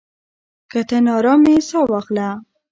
که ته ناارام يې، ساه واخله.